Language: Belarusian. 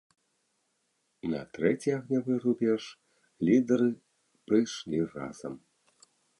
На трэці агнявы рубеж лідэры прыйшлі разам.